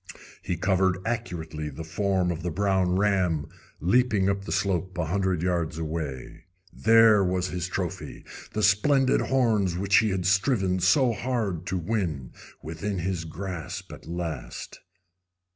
He covered accurately the form of the brown ram leaping up the slope a hundred yards away. There was his trophy, the splendid horns which he had striven so hard to win, within his grasp at last.